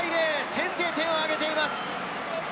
先制点を挙げています。